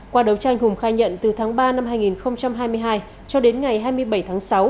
qua đấu tranh hùng khai nhận từ tháng ba năm hai nghìn hai mươi hai cho đến ngày hai mươi bảy tháng sáu